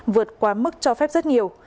vượt quá mức cho phép rất nhiều